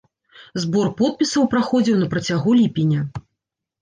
Збор подпісаў праходзіў на працягу ліпеня.